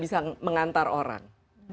bisa mengantar orang